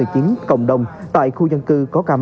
trong cộng đồng tại khu dân cư